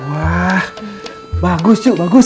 wah bagus cuk bagus